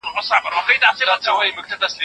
تحقیق د ناپوهۍ د تیارو پر وړاندي رڼا ده.